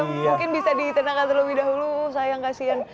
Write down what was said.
mungkin bisa ditenangkan terlebih dahulu sayang kasian